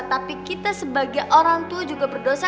tapi kita sebagai orang tua juga berdosa